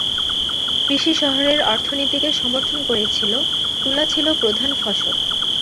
কৃষি শহরের অর্থনীতিকে সমর্থন করেছিল, তুলা ছিল প্রধান ফসল।